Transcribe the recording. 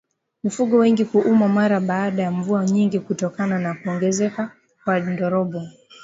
Mifugo wengi kuumwa mara baada ya mvua nyingi kutokana na kuongezeka kwa ndorobo